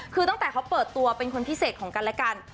คือตั้งแต่เขาเปิดตัวเป็นคนพิเศษของกันและกัน